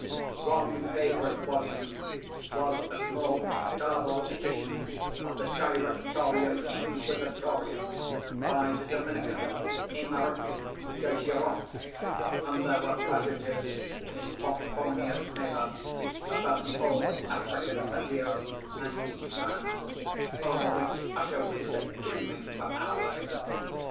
One favorite volume was a small octavo edition of the Directorium Inquisitorium, by the Dominican Eymeric de Gironne; and there were passages in Pomponius Mela, about the old African Satyrs and OEgipans, over which Usher would sit dreaming for hours.